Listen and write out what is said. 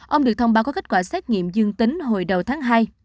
ông được thông báo có kết quả xét nghiệm dương tính hồi đầu tháng hai